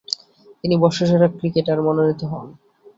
তিনি বর্ষসেরা ক্রিকেটার মনোনীত হন।